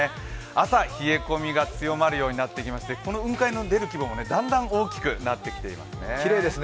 朝、冷え込みが強まるようになってきましてこの雲海の出る規模もだんだん大きくなってきていますね。